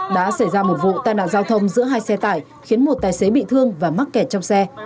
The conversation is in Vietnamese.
đã xảy ra một vụ tai nạn giao thông giữa hai xe tải khiến một tài xế bị thương và mắc kẹt trong xe